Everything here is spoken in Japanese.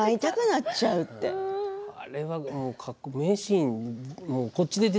あれは名シーン。